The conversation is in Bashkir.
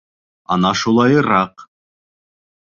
Ана шулайыраҡ!